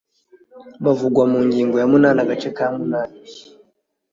bavugwa mu ngingo ya munani agace ka munani